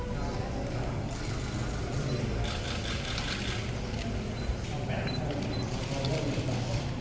ขอบคุณมากขอบคุณค่ะ